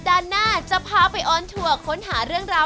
วันนี้ขอบคุณพี่อมนต์มากเลยนะครับ